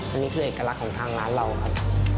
อันนี้คือเอกลักษณ์ของทางร้านเราครับ